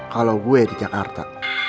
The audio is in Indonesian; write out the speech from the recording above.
kalau gue di jakarta